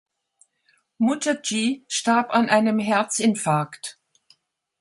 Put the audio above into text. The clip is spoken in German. Mukherjee starb an einem Herzinfarkt.